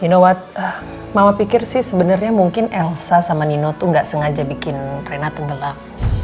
you know what mama pikir sih sebenernya mungkin elsa sama nino tuh gak sengaja bikin rena tenggelam